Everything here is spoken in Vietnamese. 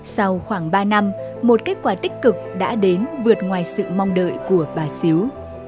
sau khoảng ba năm một kết quả tích cực đã đến vượt ngoài sự mong đợi của bà xíu